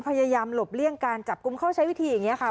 พยายามหลบเลี่ยงการจับกลุ่มเขาใช้วิธีอย่างนี้ค่ะ